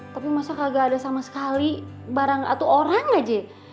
tapi masa kagak ada sama sekali barang atu orang gak je